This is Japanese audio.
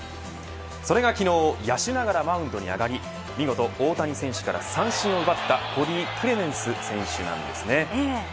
それが昨日、野手ながらマウンドに上がり見事、大谷選手から三振を奪ったコディ・クレメンス選手です。